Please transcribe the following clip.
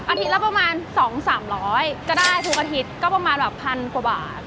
อาทิตย์ละประมาณ๒๓๐๐ก็ได้ทุกอาทิตย์ก็ประมาณแบบพันกว่าบาท